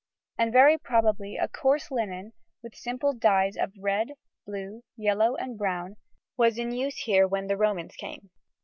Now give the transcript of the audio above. And very probably a coarse linen, with simple dyes of red, blue, yellow, and brown, was in use here when the Romans came.